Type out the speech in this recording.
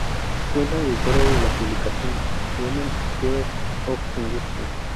Fue la editora de la publicación "Women's Herald of Industry".